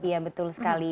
iya betul sekali